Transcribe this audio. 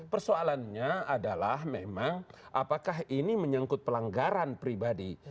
persoalannya adalah memang apakah ini menyangkut pelanggaran pribadi